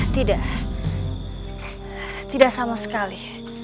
tidak tidak sama sekali